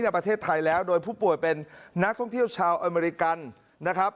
ประเทศไทยแล้วโดยผู้ป่วยเป็นนักท่องเที่ยวชาวอเมริกันนะครับ